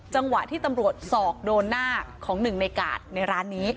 จังหวะที่ตำรวจสอกโดนหน้าของหนึ่งในกาดในร้านนี้